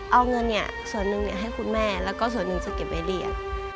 เอาเงินส่วนหนึ่งให้คุณแม่แล้วก็ส่วนหนึ่งจะเก็บไว้เรียน